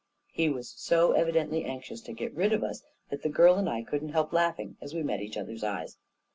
He was so evi dently anxious to get rid of us, that the girl and I couldn't help laughing as we met each other's eyes.